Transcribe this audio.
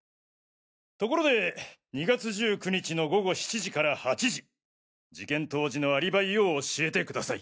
ところで２月１９日の午後７時から８時事件当時のアリバイを教えてください。